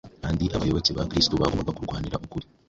kandi abayoboke ba Kristo bagombaga kurwanira ukuri